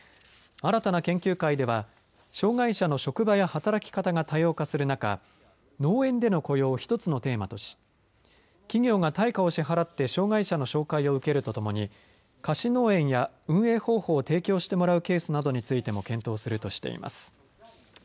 新たな研究会では障害者の職場や働き方が多様化する中農園での雇用を１つのテーマとし企業が対価を支払って障害者の紹介を受けるとともに貸し農園や運営方法を提供してもらうケースなどについても検討するとしています。